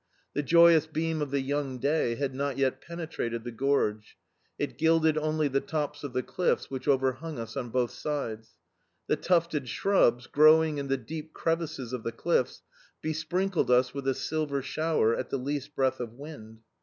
The joyous beam of the young day had not yet penetrated the gorge; it gilded only the tops of the cliffs which overhung us on both sides. The tufted shrubs, growing in the deep crevices of the cliffs, besprinkled us with a silver shower at the least breath of wind.